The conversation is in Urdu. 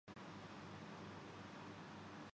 اس کا کوئی متبادل پیدا نہیں ہوا۔